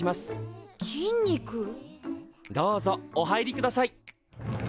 どうぞお入りください。